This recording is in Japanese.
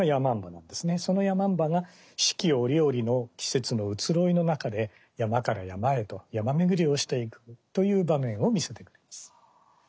その山姥が四季折々の季節の移ろいの中で山から山へと山廻りをしていくという場面を見せてくれます。